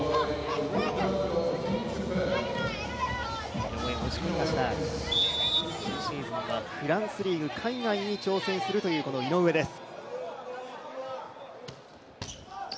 今シーズンはフランスリーグ海外に挑戦するという井上です。